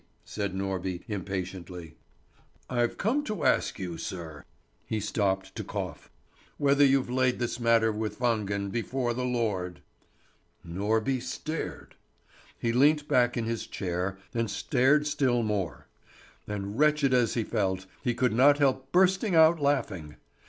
said Norby impatiently. "I've come to ask you, sir" he stopped to cough "whether you've laid this matter with Wangen before the Lord." Norby stared. He leant back in his chair and stared still more; and wretched as he felt, he could not help bursting out laughing.